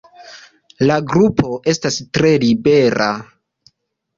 La grupo estas tre libera.